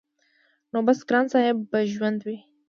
نو بس ګران صاحب به ژوندی وي-